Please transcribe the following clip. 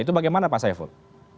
itu bagaimana pak saiful